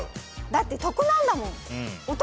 だって得なんだもん。